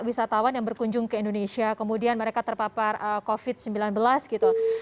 wisatawan yang berkunjung ke indonesia kemudian mereka terpapar covid sembilan belas gitu